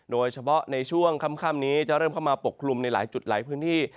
โดยเฉพาะในช่วงค่ำนี้จะเริ่มเข้ามาปกคลุมในหลายจุดหลายพื้นที่